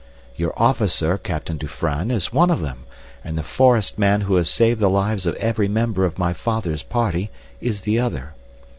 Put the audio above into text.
"Your officer, Captain Dufranne, is one of them, and the forest man who has saved the lives of every member of my father's party is the other.